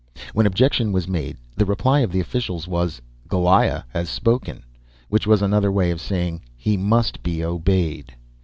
When objection was made, the reply of the officials was "Goliah has spoken" which was another way of saying, "He must be obeyed."